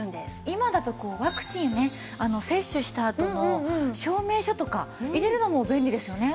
今だとワクチンね接種したあとの証明書とか入れるのも便利ですよね。